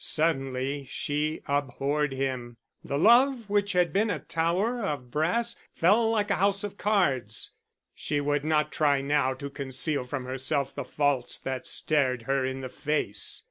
Suddenly she abhorred him. The love, which had been a tower of brass, fell like a house of cards. She would not try now to conceal from herself the faults that stared her in the face.